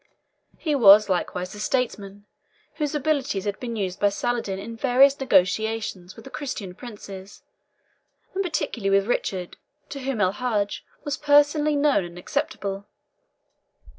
He was likewise a statesman, whose abilities had been used by Saladin in various negotiations with the Christian princes, and particularly with Richard, to whom El Hadgi was personally known and acceptable.